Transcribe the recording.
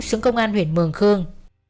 sướng công an huyện mường khương